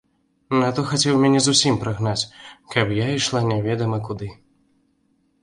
А то хацеў мяне зусім прагнаць, каб я ішла немаведама куды.